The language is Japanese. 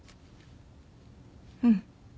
うん。